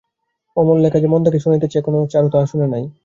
অমল যে লেখা মন্দাকে শুনাইতেছে এখনো চারু তাহা শোনে নাই।